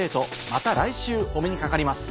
また来週お目にかかります。